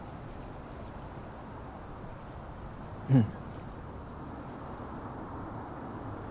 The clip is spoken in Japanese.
うん